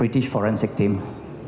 tim forensik inggris